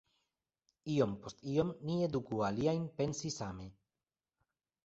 Iom post iom, ni eduku aliajn pensi same.”